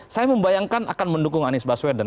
saya membayangkan akan mendukung anies baswedan